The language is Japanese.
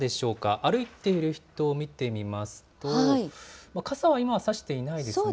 歩いている人を見てみますと、傘は今はさしていないですね。